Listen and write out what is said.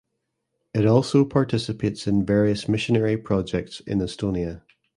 It also participates in various missionary projects in Estonia.